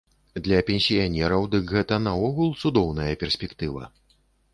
Для пенсіянераў, дык гэта нагул цудоўная перспектыва.